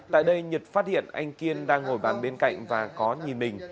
tại đây nhật phát hiện anh kiên đang ngồi bàn bên cạnh và có nhìn mình